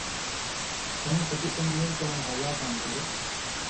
ݜَیں خَطی سَیں مُلکہ وَیں حالاتاں مطابق